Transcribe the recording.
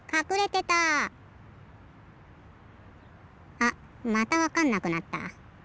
あっまたわかんなくなった。